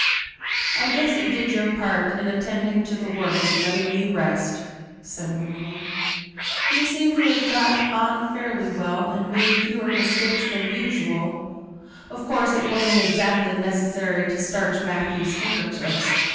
"I guess you did your part in attending to the work and letting me rest," said Marilla. "You seem to have got on fairly well and made fewer mistakes than usual. Of course it wasn't exactly necessary to starch Matthew's handkerchiefs!